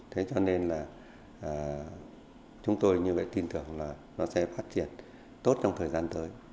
thế cho nên là chúng tôi như vậy tin tưởng là nó sẽ phát triển tốt trong thời gian tới